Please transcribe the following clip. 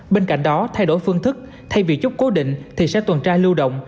bên cạnh đó thay đổi phương thức thay vì chút cố định thì sẽ tuần tra lưu động